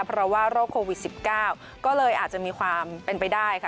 เพราะว่าโรคโควิด๑๙ก็เลยอาจจะมีความเป็นไปได้ค่ะ